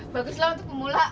baguslah untuk pemula